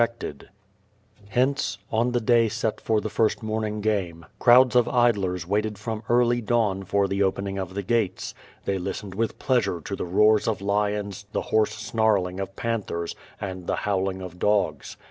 40t Hence, on the day set for the first mornino: game, crowds of idlers waited from early dawn for the opening of the gates. They listened with pleasure to the roars of lions, the hoarse snarling of panthers, and the howling of dogs.